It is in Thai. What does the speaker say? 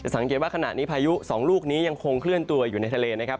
สังเกตว่าขณะนี้พายุ๒ลูกนี้ยังคงเคลื่อนตัวอยู่ในทะเลนะครับ